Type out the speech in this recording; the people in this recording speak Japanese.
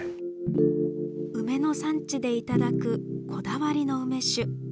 梅の産地で頂くこだわりの梅酒。